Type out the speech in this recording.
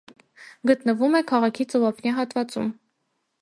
Գտնվում է քաղաքի ծովափնյա հատվածում։